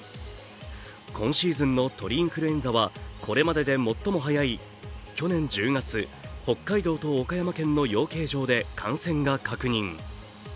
今シーズンの鳥インフルエンザはこれまでで最も早い去年１０月、北海道と岡山県の養鶏場で感染が確認。